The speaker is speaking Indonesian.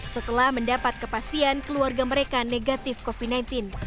setelah mendapat kepastian keluarga mereka negatif covid sembilan belas